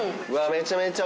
めちゃめちゃ。